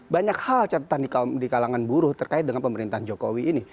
banyak hal catatan di kalangan buruh terkait dengan pemerintahan jokowi ini